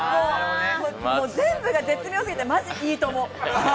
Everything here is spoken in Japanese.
全部が絶妙すぎて、マジいいと思う。